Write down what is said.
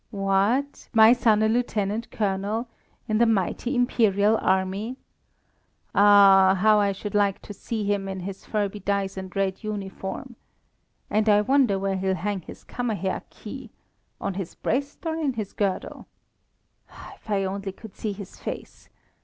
"What, my son a lieutenant colonel! in the mighty Imperial army! Ah, how I should like to see him in his fur bedizened red uniform! And I wonder where he'll hang his Kammerherr key on his breast or in his girdle? If only I could see his face!